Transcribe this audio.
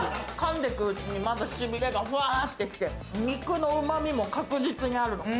噛んでいくうちに、まずしびれがフワッてきて、肉のうまみも確実にあるの。